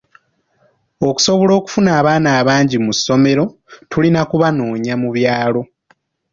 "Okusobola okufuna abaana abangi mu ssomero, tulina okubanoonya mu byalo."